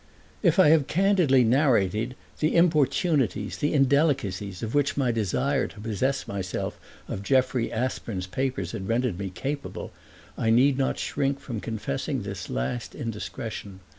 If I have candidly narrated the importunities, the indelicacies, of which my desire to possess myself of Jeffrey Aspern's papers had rendered me capable I need not shrink from confessing this last indiscretion.